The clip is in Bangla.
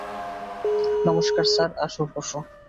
নমষ্কার স্যার -আসো, বসো।